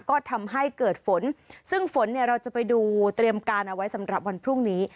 ก็ทำให้เกิดฝนซึ่งฝนเนี่ยเราจะไปดูเตรียมการเอาไว้สำหรับวันพรุ่งนี้